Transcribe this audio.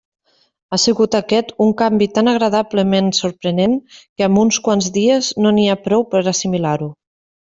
Ha sigut aquest un canvi tan agradablement sorprenent que amb uns quants dies no n'hi ha prou per a assimilar-lo.